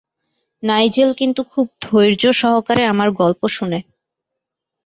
Nigel কিন্তু খুব ধৈর্য সহকারে আমার গল্প শুনে।